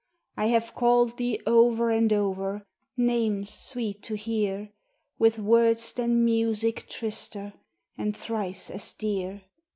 I have called thee over and over Names sweet to hear; With words than music trister, And thrice as dear.